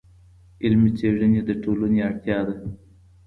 علمي څېړنې د ټولنې اړتیا ده.